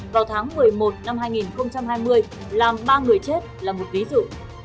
vào tháng một mươi một năm hai nghìn hai mươi làm ba người chết là một ví dụ